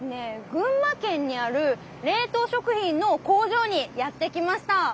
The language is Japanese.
群馬県にある冷凍食品の工場にやって来ました！